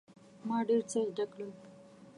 ما ډیر څه زده کړل.